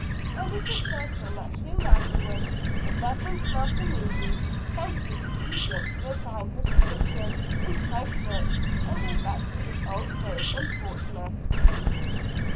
And it is certain that soon afterwards, the Reverend Master Moody found it expedient to resign his position in South Church and go back to his old home in Portsmouth.